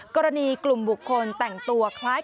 กรณีกลุ่มบุคคลแต่งตัวคล้ายกับตำรวจ